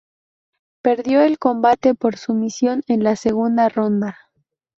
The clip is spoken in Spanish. Perdió el combate por sumisión en la segunda ronda.